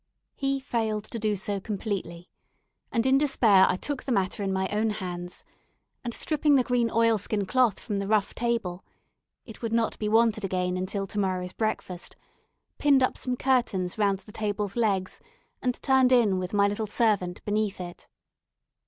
He failed to do so completely, and in despair I took the matter in my own hands; and stripping the green oilskin cloth from the rough table it would not be wanted again until to morrow's breakfast pinned up some curtains round the table's legs, and turned in with my little servant beneath it.